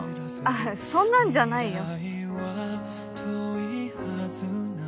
あっそんなんじゃないよ